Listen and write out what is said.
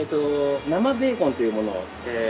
生ベーコンというものを。